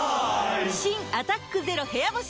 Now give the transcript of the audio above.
新「アタックＺＥＲＯ部屋干し」